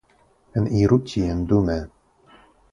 Eniru tien dume.